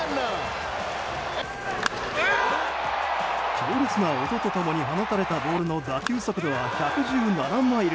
強烈な音と共に放たれた打球速度は１１７マイル